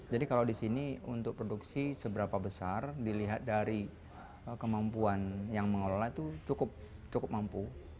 jadi kalau di sini untuk produksi seberapa besar dilihat dari kemampuan yang mengelola itu cukup mampu